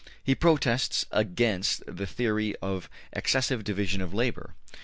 He protests against the theory of exces sive division of labor.